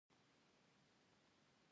تاسو یوازې یو پوسټ بکس ته اړتیا لرئ